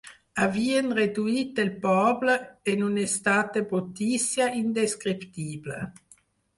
Havien reduït el poble en un estat de brutícia indescriptible.